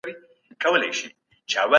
نړیوال حقونه له قانون څخه سرچینه اخلي.